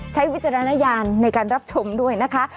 วิจารณญาณในการรับชมด้วยนะคะ